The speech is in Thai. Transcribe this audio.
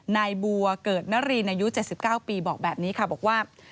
นายบัวเกิดนรีนอายุ๗๙ปีบอกแบบนี้ค่ะบอกว่า